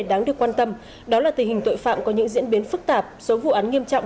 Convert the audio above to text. đáng được quan tâm đó là tình hình tội phạm có những diễn biến phức tạp số vụ án nghiêm trọng